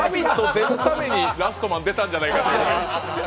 出るために「ラストマン」出たんじゃないかと。